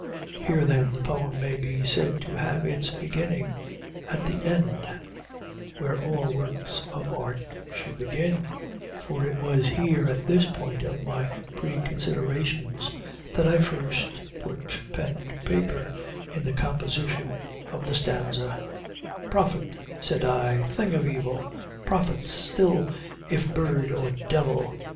Here then the poem may be said to have its beginning at the end, where all works of art should begin for it was here, at this point of my preconsiderations, that I first put pen to paper in the composition of the stanza: "'Prophet,' said I, 'thing of evil! prophet still if bird or devil!